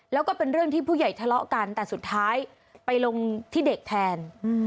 แล้วก็เป็นเรื่องที่ผู้ใหญ่ทะเลาะกันแต่สุดท้ายไปลงที่เด็กแทน